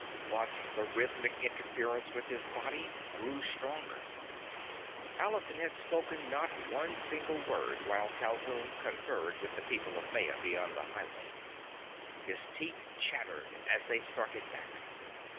But the rhythmic interference with his body grew stronger. Allison had spoken not one single word while Calhoun conferred with the people of Maya beyond the highway. His teeth chattered as they started back.